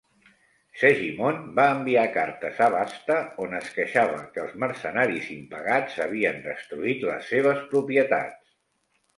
Segimon va enviar cartes a Basta on es queixava que els mercenaris impagats havien destruït les seves propietats.